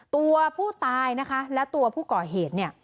ตัวผู้ตายนะคะและตัวผู้ก่อเหตุเนี่ย